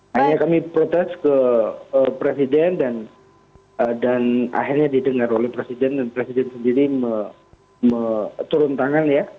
hanya kami protes ke presiden dan akhirnya didengar oleh presiden dan presiden sendiri turun tangan ya